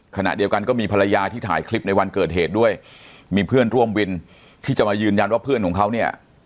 ขณะเดียวกันก็มีภรรยาที่ถ่ายคลิปในวันเกิดเหตุด้วยมีเพื่อนร่วมวินที่จะมายืนยันว่าเพื่อนของเขาเนี่ย